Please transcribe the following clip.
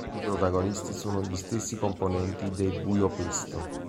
I protagonisti sono gli stessi componenti dei Buio Pesto.